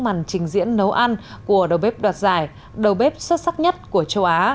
màn trình diễn nấu ăn của đầu bếp đoạt giải đầu bếp xuất sắc nhất của châu á